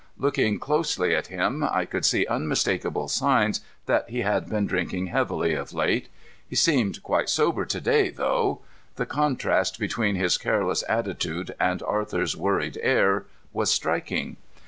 Looking closely at him, I could see unmistakable signs that he had been drinking heavily of late. He seemed quite sober to day, though. The contrast between his careless attitude and Arthur's worried air was striking.